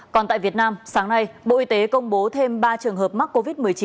còn tại việt nam sáng nay bộ y tế công bố thêm ba trường hợp mắc covid một mươi chín